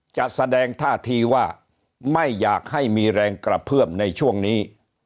จะแสดงท่าทีว่าไม่อยากให้มีแรงกระเพื่อมในช่วงนี้